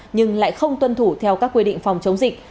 nhưng lại không tuân thủ theo các quy định phòng chống dịch